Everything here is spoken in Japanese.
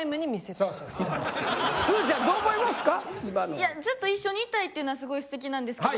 いやずっと一緒にいたいっていうのはすごい素敵なんですけど。